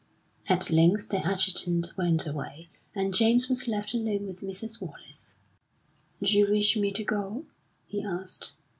At length the adjutant went away, and James was left alone with Mrs. Wallace. "D'you wish me to go?" he asked.